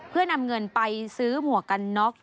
เพื่อนำเงินไปซื้อหมวกกันน็อก